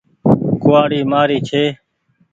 ڪوُوآڙي مآري ڇي ۔